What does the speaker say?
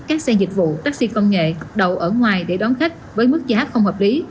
các xe dịch vụ taxi công nghệ đậu ở ngoài để đón khách với mức giá không hợp lý